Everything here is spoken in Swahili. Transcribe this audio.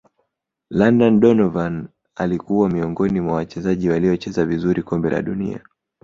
london donovan alikwa miongoni mwa wachezaji waliocheza vizuri kombe la dunia